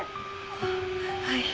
あっはい。